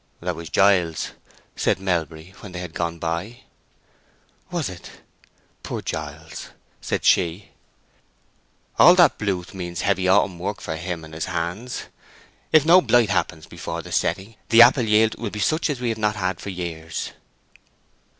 "That was Giles," said Melbury, when they had gone by. "Was it? Poor Giles," said she. "All that blooth means heavy autumn work for him and his hands. If no blight happens before the setting the apple yield will be such as we have not had for years."